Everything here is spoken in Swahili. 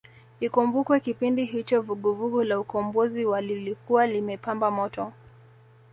Ikumbukwe kipindi hicho vuguvugu la Ukombozi wa lilikuwa limepamba moto